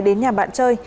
đến nhà bạn chơi